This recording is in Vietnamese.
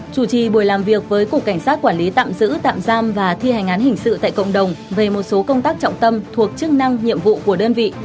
chủ trì buổi làm việc với cục cảnh sát quản lý tạm giữ tạm giam và thi hành án hình sự tại cộng đồng về một số công tác trọng tâm thuộc chức năng nhiệm vụ của đơn vị